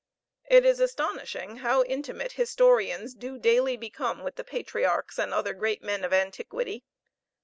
It is astonishing how intimate historians do daily become with the patriarchs and other great men of antiquity.